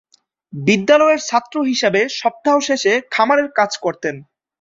বিদ্যালয়ের ছাত্র হিসেবে সপ্তাহ শেষে খামারে কাজ করতেন।